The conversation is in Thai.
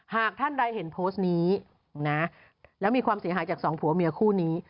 หากท่านใดเห็นโพสต์นี้นะแล้วมีความเสียหายจากสองผัวเมียคู่นี้